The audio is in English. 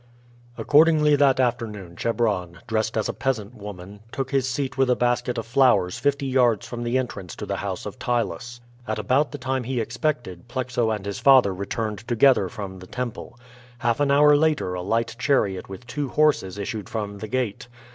Accordingly that afternoon Chebron, dressed as a peasant woman, took his seat with a basket of flowers fifty yards from the entrance to the house of Ptylus. At about the time he expected Plexo and his father returned together from the temple. Half an hour later a light chariot with two horses issued from the gate.